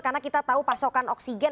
karena kita tahu pasokan oksigen